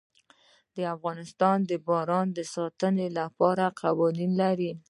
افغانستان د باران د ساتنې لپاره قوانین لري.